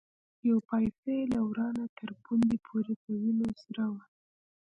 يوه پايڅه يې له ورانه تر پوندې پورې په وينو سره وه.